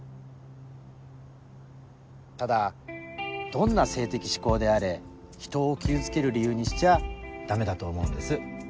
ただどんな性的嗜好であれひとを傷つける理由にしちゃダメだと思うんです。